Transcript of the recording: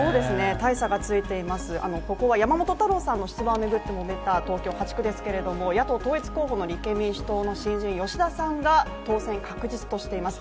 大差がついています、ここは山本太郎さんの出馬をかけてもめた東京８区ですけれども野党統一候補の新人・吉田さんが当選確実としています。